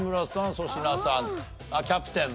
粗品さんキャプテンも。